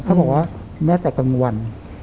เขาบอกว่าแม่แตกกันวัน